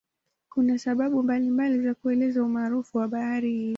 Kuna sababu mbalimbali za kuelezea umaarufu wa bahari hii.